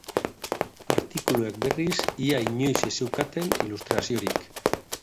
Artikuluek, berriz, ia inoiz ez zeukaten ilustraziorik.